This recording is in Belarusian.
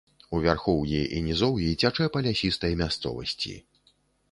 У вярхоўі і нізоўі цячэ па лясістай мясцовасці.